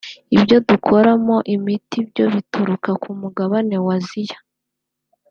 ibyo dukoramo imiti byo bituruka ku mugabane wa Aziya